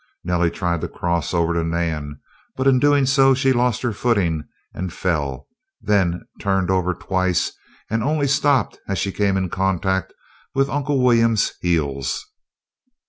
Nellie tried to cross over to Nan, but in doing so she lost her footing and fell, then turned over twice, and only stopped as she came in contact with Uncle William's heels.